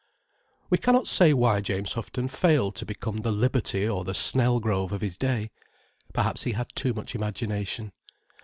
We cannot say why James Houghton failed to become the Liberty or the Snelgrove of his day. Perhaps he had too much imagination.